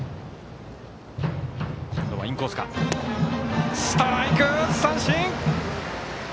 ストライク、三振！